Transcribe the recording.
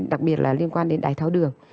đặc biệt là liên quan đến đáy tháo đường